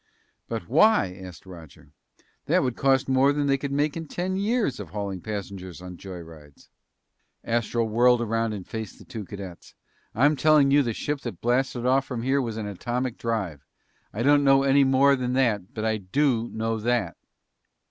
"But why?" asked Roger. "That would cost more than they could make in ten years of hauling passengers on joy rides!" Astro whirled around and faced the two cadets. "I'm telling you the ship that blasted off from here was an atomic drive. I don't know any more than that, but I do know that!"